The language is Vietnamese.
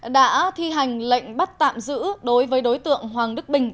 đã thi hành lệnh bắt tạm giữ đối với đối tượng hoàng đức bình